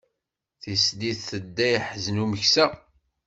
Tislit tedda iḥzen umeksa.